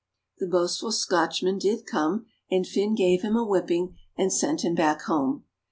The boastful Scotchman did come, and Fin gave him a whipping and sent him back home.